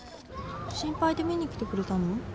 心配で見にきてくれたの？